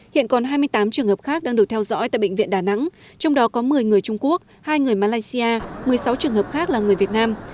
hiện còn hai mươi tám trường hợp khác đang được theo dõi tại bệnh viện đà nẵng trong đó có một mươi người trung quốc hai người malaysia một mươi sáu trường hợp khác là người việt nam